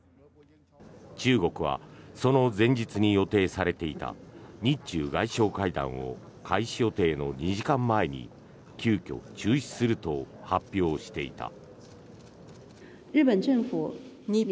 中国はその前日に予定されていた日中外相会談を開始予定の２時間前に急きょ、中止すると発表していた。